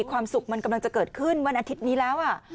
ความสุขมันกำลังจะเกิดขึ้นวันอาทิตย์นี้แล้ว